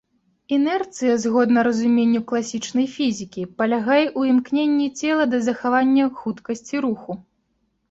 Інерцыя, згодна разуменню класічнай фізікі, палягае ў імкненні цела да захавання хуткасці руху.